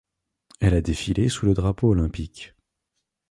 Elle a défilé sous le drapeau olympique.